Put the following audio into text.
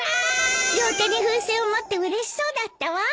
両手に風船を持ってうれしそうだったわ。